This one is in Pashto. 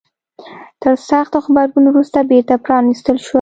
تر سخت غبرګون وروسته بیرته پرانيستل شوه.